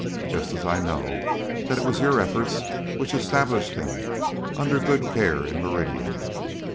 Just as I know that it was your efforts which established him under good care in Meridian.